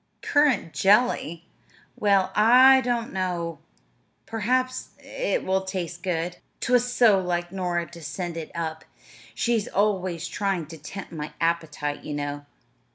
"Currant jelly? Well, I don't know, perhaps it will taste good. 'T was so like Nora to send it up; she's always trying to tempt my appetite, you know.